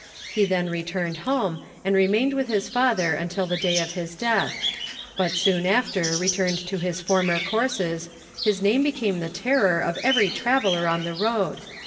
He then returned home, and remained with his father until the day of his death. But soon after returned to his former courses, his name became the terror of every traveller on the road.